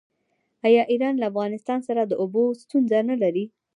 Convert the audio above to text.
آیا ایران له افغانستان سره د اوبو ستونزه نلري؟